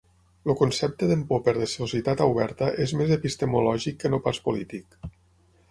El concepte d'En Popper de societat oberta és més epistemològic que no pas polític.